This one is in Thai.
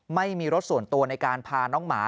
ไม่มีรถส่วนตัวในการพาน้องหมา